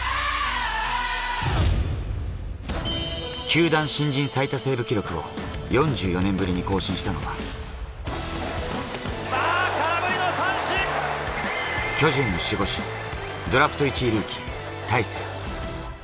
球団新人最多セーブ記録を４４年ぶりに更新したのは、巨人の守護神、ドラフト１位ルーキー・大勢。